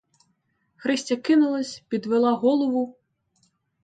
Христя кинулась, підвела голову.